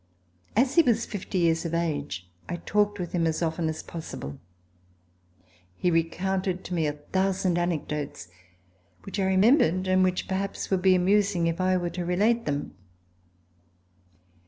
As he was fifty years of age, I talked with him as often as possible. He recounted to me a thousand anecdotes which I re membered and which perhaps would be amusing if I were to relate them.